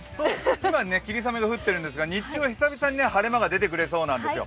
今、霧雨が降ってるんですが日中は久々に日ざしが出てくるんですよ。